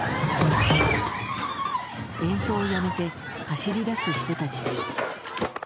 演奏をやめて、走り出す人たち。